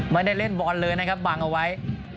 เล่นบอลเลยนะครับบังเอาไว้